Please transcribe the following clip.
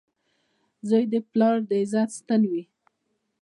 • زوی د پلار د عزت ستن وي.